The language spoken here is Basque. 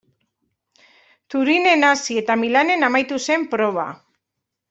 Turinen hasi eta Milanen amaitu zen proba.